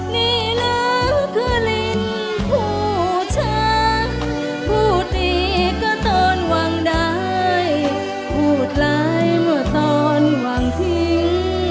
นี่ละกลิ่นผู้ชาพูดดีก็ต้นวางได้พูดร้ายเมื่อต้นวางทิ้ง